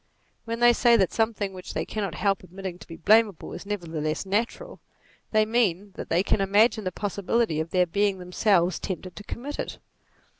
When they say that something which they cannot help admitting to be blamable, is nevertheless natural, they mean that they can imagine the possibility of their being themselves tempted to commit it.